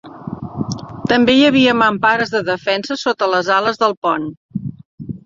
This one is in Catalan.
També hi havia mampares de defensa sota les ales del pont.